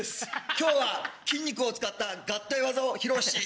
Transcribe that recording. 今日は筋肉を使った合体技を披露し。